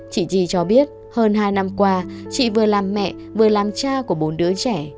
chị chi cho biết hơn hai năm qua chị vừa làm mẹ vừa làm cha của bốn đứa trẻ